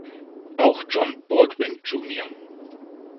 Auch John Baldwin Jr.